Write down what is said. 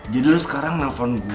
jadi lo sekarang nelfon gue